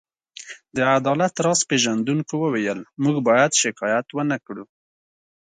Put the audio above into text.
د عدالت راز پيژندونکو وویل: موږ باید شکایت ونه کړو.